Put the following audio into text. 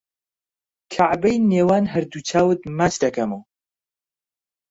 کەعبەی نێوان هەردوو چاوت ماچ دەکەم و